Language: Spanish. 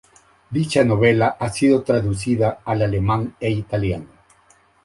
Dicha novela ha sido traducida al alemán e italiano.